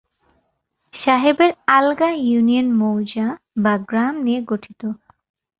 সাহেবের আলগা ইউনিয়ন মৌজা/গ্রাম নিয়ে গঠিত।